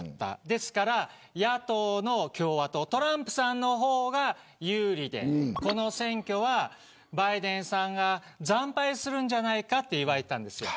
ですから、野党の共和党トランプさんの方が有利でこの選挙は、バイデンさんが惨敗するんじゃないかと言われていました。